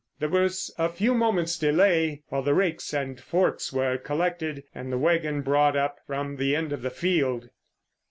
There was a few moments' delay while the rakes and forks were collected and the waggon brought up from the end of the field.